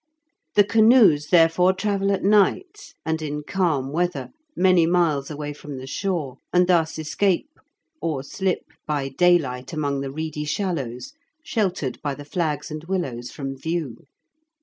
The canoes, therefore, travel at night and in calm weather many miles away from the shore, and thus escape, or slip by daylight among the reedy shallows, sheltered by the flags and willows from view.